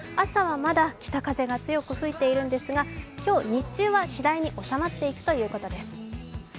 朝はまだ北風が強く吹いているんですが今日日中は次第に収まっていくということです。